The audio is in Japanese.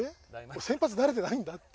先発慣れてないんだって。